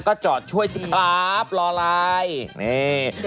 ก็จอดช่วยสิครับรอไลน์นี่